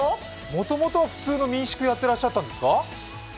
もともとは普通の民宿をやってらっしゃったんですか？